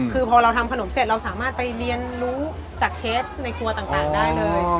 คือพอเราทำขนมเสร็จเราสามารถไปเรียนรู้จากเชฟในครัวต่างได้เลย